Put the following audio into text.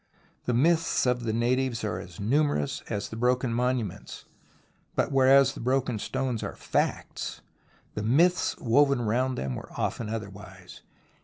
The myths of the natives are as numerous as the broken monuments, but, whereas the broken stones are facts, the myths woven round them were often otherwise.